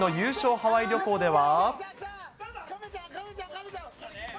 ハワイ旅行では。